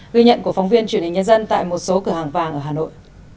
ghi nhận của phóng viên truyền hình nhân dân tại một số cửa hàng vàng ở hà nội